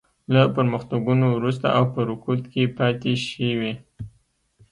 له پرمختګونو وروسته او په رکود کې پاتې شوې.